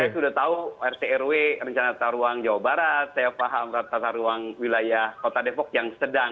saya sudah tahu rt rw rencana tata ruang jawa barat tata ruang wilayah kota depok yang sedang